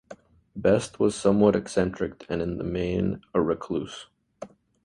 Best was somewhat eccentric and in the main a recluse.